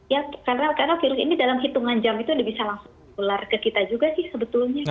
ya karena virus ini dalam hitungan jam itu udah bisa langsung tular ke kita juga sih sebetulnya